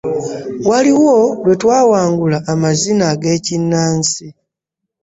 Waliwo lwe twawangula amazina agekinnasi.